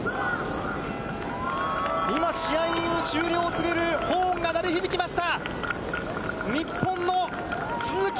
今、試合の終了を告げるホーンが鳴り響きました。